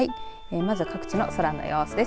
まず各地の空の様子です。